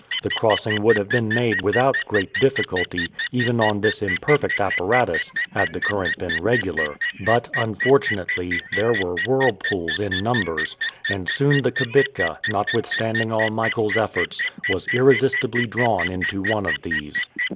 The crossing would have been made without great difficulty, even on this imperfect apparatus, had the current been regular; but, unfortunately, there were whirlpools in numbers, and soon the kibitka, notwithstanding all Michael's efforts, was irresistibly drawn into one of these.